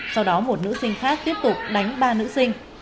sau đó một nữ sinh khác tiếp tục đánh ba nữ sinh